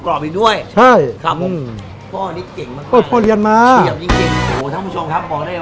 กรอบอีกด้วยใช่ครับผมหรือนี่เก่งมาก